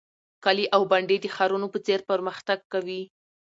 کلي او بانډې د ښارونو په څیر پرمختګ کوي.